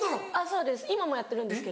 そうです